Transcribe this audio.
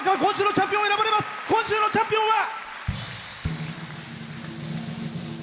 今週のチャンピオンは。